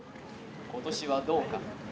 今年はどうか。